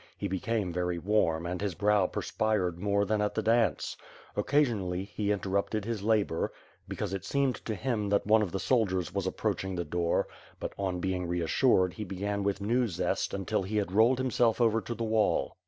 He became very warm and his brow perspired more than at the dance. Occasionally, he interrupted his labor; because it WITH FIRE AND SWORD, ^g^ seemed to him that one of tlie soldiers was approaching the door; but, on being reassured he began with new zest until he had rolled himself over to the wall.